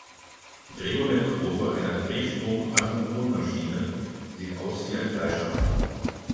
Die Drehmomentkurve einer Drehstrom-Asynchronmaschine sieht aus wie ein Fleischerhaken.